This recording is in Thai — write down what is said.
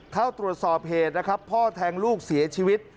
เข้าตรวจสอบเหตุนะครับพ่อแทงลูกเสียชีวิต